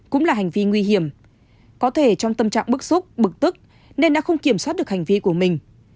cũng là hành vi nguy hiểm có thể trong tâm trạng bức xúc bực tức nên đã không kiểm soát được hành vi của mình